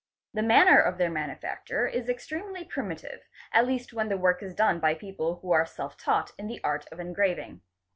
'The manner of their manufacture is extremely primitive, at least when the work is done by people who are self taught in the art of engraving.